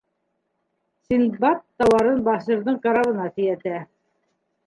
Синдбад тауарын Басирҙың карабына тейәтә.